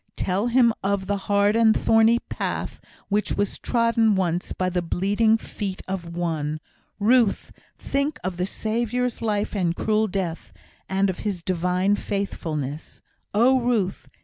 Tell him of the hard and thorny path which was trodden once by the bleeding feet of One. Ruth! think of the Saviour's life and cruel death, and of His divine faithfulness. Oh, Ruth!"